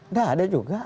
nggak ada juga